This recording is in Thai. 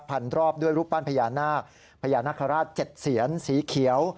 พันรอบด้วยรูปปั้นพญานาคพญานาคาราช๗เสียนสีเขียว